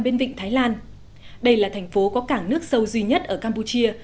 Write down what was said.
bên vịnh thái lan đây là thành phố có cảng nước sâu duy nhất ở campuchia